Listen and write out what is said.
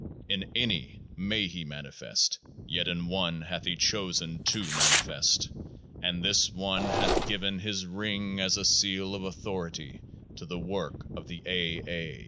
In any may he manifest ; yet in one hath he chosen to manifest ; and this one hath given His ring as a Seal of Authority to the Work of the A.'. A.'